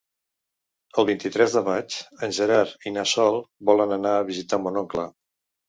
El vint-i-tres de maig en Gerard i na Sol volen anar a visitar mon oncle.